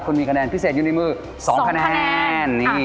คุณมีคะแนนพิเศษอยู่ในมือ๒คะแนน